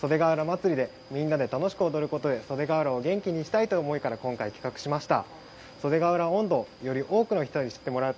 そでがうらまつりでみんなで楽しく踊ることで袖ケ浦を元気にしたいという思いから今回、企画しました。